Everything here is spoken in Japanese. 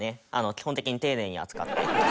基本的に丁寧に扱ってください。